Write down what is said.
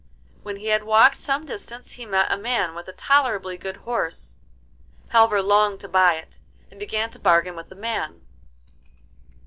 When he had walked some distance he met a man with a tolerably good horse. Halvor longed to buy it, and began to bargain with the man.